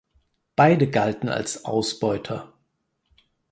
Beide galten als Ausbeuter.